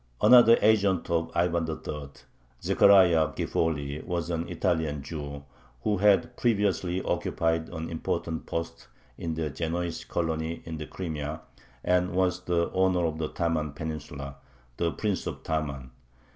Another agent of Ivan III., Zechariah Guizolfi, was an Italian Jew, who had previously occupied an important post in the Genoese colony in the Crimea, and was the owner of the Taman Peninsula ("the Prince of Taman").